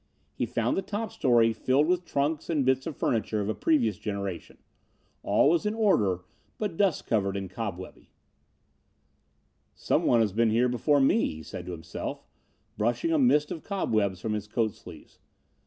He found the top story filled with trunks and bits of furniture of a previous generation. All was in order, but dust covered and cobwebby. "Someone has been here before me," he said to himself, brushing a mist of cobwebs from his coat sleeves.